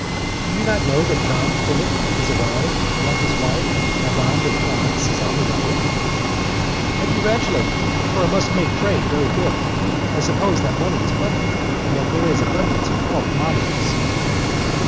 "Do you not know that Don Philip has arrived, and that his wife, Madame de France, is on the road?" "I congratulate you, for it must make trade very good. I suppose that money is plentiful, and that there is abundance of all commodities."